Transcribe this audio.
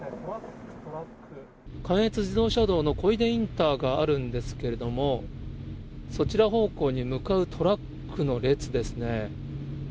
関越自動車道の小出インターがあるんですけれども、そちら方向に向かうトラックの列ですね。